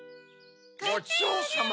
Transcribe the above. ごちそうさま！